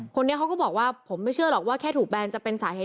คนนี้เขาก็บอกว่าผมไม่เชื่อหรอกว่าแค่ถูกแบนจะเป็นสาเหตุ